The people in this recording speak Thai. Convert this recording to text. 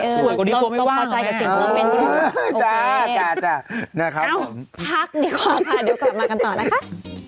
สวยกว่าดีกว่าไม่ว่างอะแม่โอเคนะครับผมพักเดี๋ยวค่ะเดี๋ยวกลับมากันต่อนะคะ